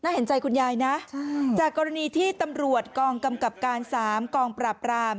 เห็นใจคุณยายนะจากกรณีที่ตำรวจกองกำกับการ๓กองปราบราม